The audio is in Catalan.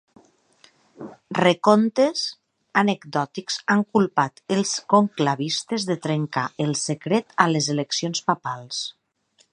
Recontes anecdòtics han culpat els conclavistes de trencar el secret a les eleccions papals.